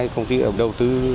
công ty đầu tư